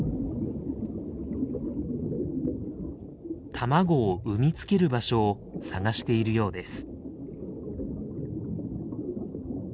卵を産みつける場所を探しているようです。